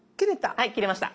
はい切れました。